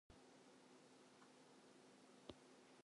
Officials closed schools throughout much of southern Louisiana.